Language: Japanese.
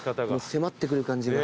迫ってくる感じが。